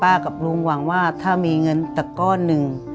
กับลุงหวังว่าถ้ามีเงินสักก้อนหนึ่ง